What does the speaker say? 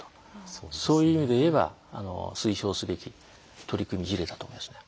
そういう意味で言えば推奨すべき取り組み事例だと思いますね。